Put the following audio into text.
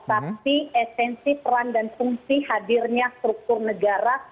tapi esensi peran dan fungsi hadirnya struktur negara